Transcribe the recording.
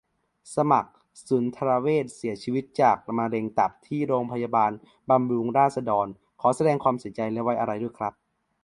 สมัคร สุนทรเวช เสียชีวิตจากมะเร็งตับ ที่รพ.บำรุงราษฎร์ ขอแสดงความเสียใจและไว้อาลัยด้วยครับ